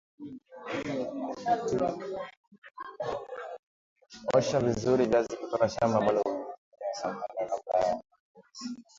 Osha vizuri viazi kutoka shamba ambalo umetumia samadi kabla ya matumizi